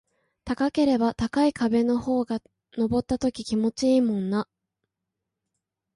高ければ高い壁の方が登った時気持ちいいもんな